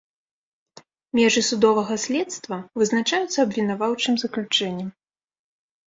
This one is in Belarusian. Межы судовага следства вызначаюцца абвінаваўчым заключэннем.